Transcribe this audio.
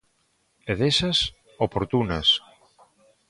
_É desas... oportunas.